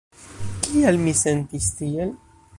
Kial mi sentis tiel?